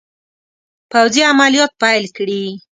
پوځي عملیات پیل کړي.